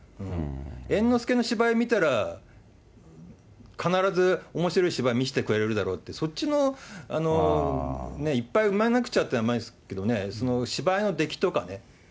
猿之助の芝居見たら、必ずおもしろい芝居見せてくれるだろうって、そっちの、いっぱい埋めなくちゃってあれですけどね、その芝居の出来とかね。